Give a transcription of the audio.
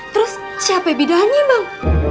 terus siapa bidahnya bang